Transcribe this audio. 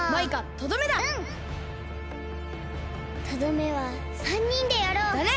とどめは３にんでやろう！だね！